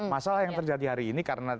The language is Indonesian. masalah yang terjadi hari ini karena